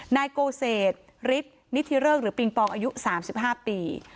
นายโกเศษฤทธิ์นิธิเริกหรือปิงปองอายุ๓๕ปี